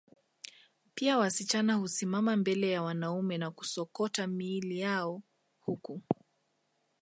Pia wasichana husimama mbele ya wanaume na kusokota miili yao huku